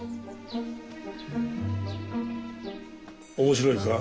面白いか？